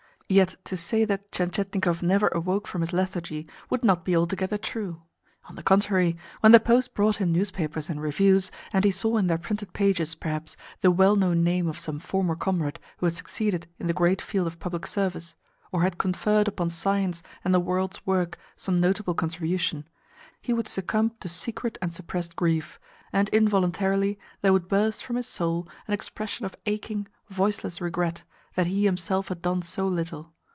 Yet to say that Tientietnikov never awoke from his lethargy would not be altogether true. On the contrary, when the post brought him newspapers and reviews, and he saw in their printed pages, perhaps, the well known name of some former comrade who had succeeded in the great field of Public Service, or had conferred upon science and the world's work some notable contribution, he would succumb to secret and suppressed grief, and involuntarily there would burst from his soul an expression of aching, voiceless regret that he himself had done so little.